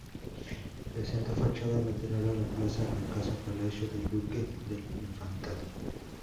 Presenta fachada lateral a la plaza la casa-palacio del Duque del Infantado.